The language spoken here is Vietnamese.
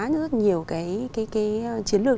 rất nhiều cái chiến lược